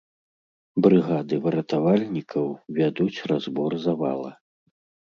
Брыгады выратавальнікаў вядуць разбор завала.